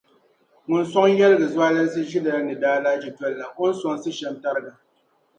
ŋun sɔŋ yɛligi zualinsi ʒilɛli ni daalahichi dolila o ni sɔŋsi shɛm tariga.